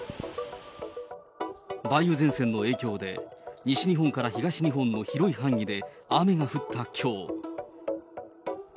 梅雨前線の影響で、西日本から東日本の広い範囲で雨が降ったきょう。